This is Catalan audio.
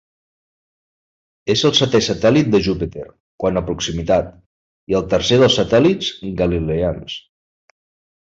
És el setè satèl·lit de Júpiter quant a proximitat i el tercer dels satèl·lits galileans.